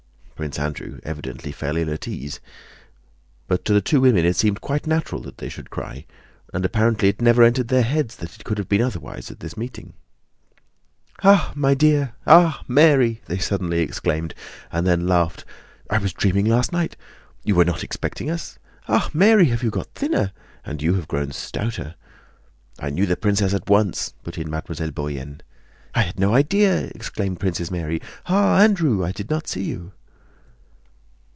Prince Andrew evidently felt ill at ease, but to the two women it seemed quite natural that they should cry, and apparently it never entered their heads that it could have been otherwise at this meeting. "Ah! my dear!... Ah! Mary!..." they suddenly exclaimed, and then laughed. "I dreamed last night..."—"You were not expecting us?..." "Ah! Mary, you have got thinner?..." "And you have grown stouter!..." "I knew the princess at once," put in Mademoiselle Bourienne. "And I had no idea!..." exclaimed Princess Mary. "Ah, Andrew, I did not see you."